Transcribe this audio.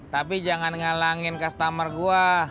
tapi jangan ngalangin customer gue